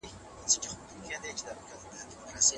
کتاب د انسان د فکر بنسټ پياوړی کوي او د ژوند لوری سم ټاکي.